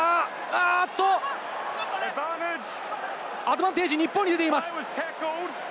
アドバンテージが日本に出ています。